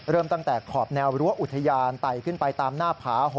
เริ่มตั้งแต่ขอบแนวรั้วอุทยานไต่ขึ้นไปตามหน้าผา